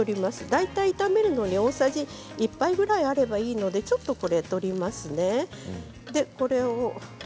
大体、炒めるのに大さじ１杯ぐらいあればいいのでちょっと取りますね。